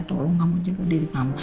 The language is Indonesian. tolong kamu jemput diri kamu